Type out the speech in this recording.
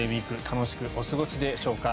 楽しくお過ごしでしょうか。